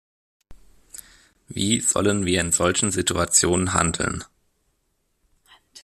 Wie sollen wir in solchen Situationen handeln?